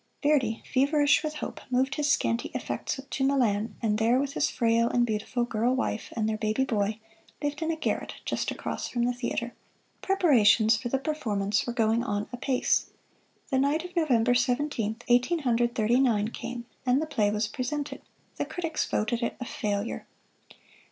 Verdi, feverish with hope, moved his scanty effects to Milan, and there, with his frail and beautiful girl wife and their baby boy, lived in a garret just across from the theater. Preparations for the performance were going on apace. The night of November Seventeenth, Eighteen Hundred Thirty nine came, and the play was presented. The critics voted it a failure.